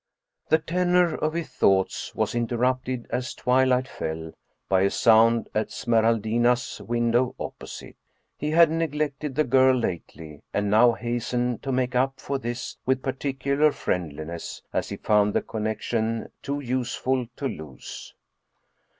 The tenor of his thoughts was interrupted as twilight fell by a sound at Smeraldina's window opposite. He had neglected the girl lately, and now hastened to make up for this with particular friendliness, as he found the connection too useful to lose.